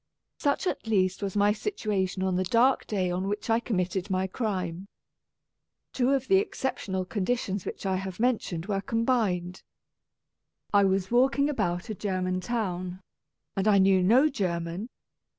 Such at least was my situation on the dark day on which I committed my crime. Two of the exceptional conditions which I have mentioned were combined. I was walking about a German town, and I knew no German.